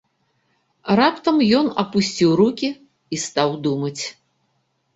Раптам ён апусціў рукі і стаў думаць.